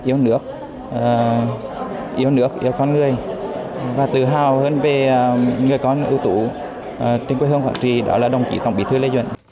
yêu nước yêu nước yêu con người và tự hào hơn về người con ưu tú trên quê hương quảng trị đó là đồng chí tổng bí thư lê duẩn